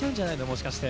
もしかして。